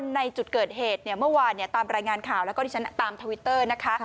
ในจุดเกิดเหตุเมื่อวานเนี่ยตามรายงานข่าวแล้วก็ตามทวิตเตอร์นะคะ